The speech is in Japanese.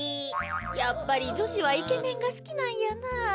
やっぱりじょしはイケメンがすきなんやなあ。